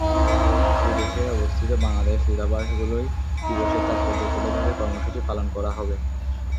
বিদেশে অবস্থিত বাংলাদেশ দূতাবাসগুলোয় দিবসের তাৎপর্য তুলে ধরে কর্মসূচি পালন করা হবে।